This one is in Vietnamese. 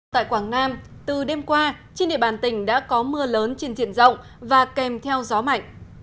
tại quảng nam từ đêm qua trên địa bàn tỉnh đã có mưa lớn trên diện rộng và kèm theo gió mạnh